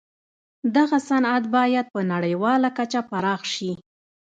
دغه صنعت باید په نړیواله کچه پراخ شي